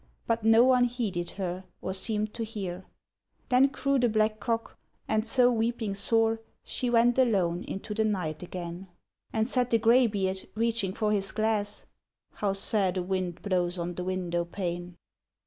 But no one heeded her, or seemed to hear. Then crew the black cock, and so weeping sore She went alone into the night again, And said the greybeard, reaching for his glass, ' How sad a wind blows on the window pane